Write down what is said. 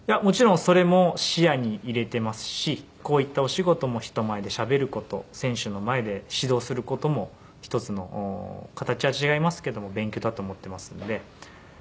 もちろんそれも視野に入れてますしこういったお仕事も人前でしゃべる事選手の前で指導する事も一つの形は違いますけども勉強だと思ってますので。